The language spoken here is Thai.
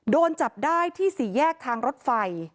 โดนจับได้ที่สี่แยกทางรถไฟ